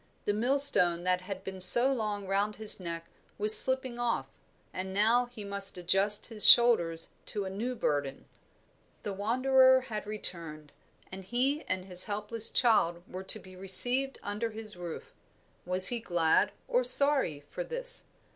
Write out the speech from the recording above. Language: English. The millstone that had been so long round his neck was slipping off, and now he must adjust his shoulders to a new burden. The wanderer had returned, and he and his helpless child were to be received under his roof. Was he glad or sorry for this?